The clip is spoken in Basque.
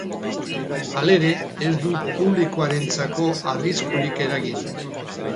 Halere, ez du publikoarentzako arriskurik eragin.